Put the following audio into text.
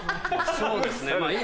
そうですね今。